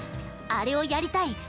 「あれをやりたい」